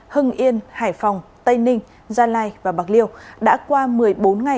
hưng yên hải phòng tây ninh gia lai và bạc liêu đã qua một mươi bốn ngày không ghi nhận trường hợp mắc mới